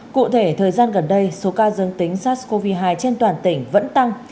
cụ thể thời gian gần đây số ca dương tính sars cov hai trên toàn tỉnh vẫn tăng